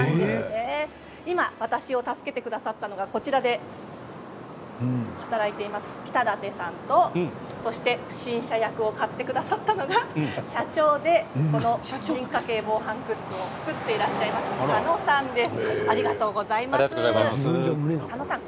今、私を助けてくださったのがこちらで働いている北舘さんと不審者役をかって出てくださったのが社長で進化系防犯グッズを作ってらっしゃる佐野さんです。